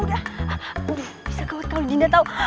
udah bisa kawat kalau dinda tau